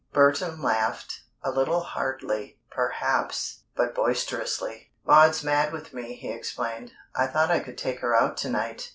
Burton laughed a little hardly, perhaps, but boisterously. "Maud's mad with me," he explained. "I thought I could take her out to night.